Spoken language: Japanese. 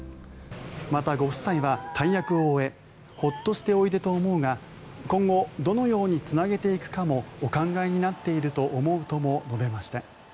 またご夫妻は大役を終えホッとしておいでと思うが今後どのようにつなげていくかお考えになっていると思うとも述べました。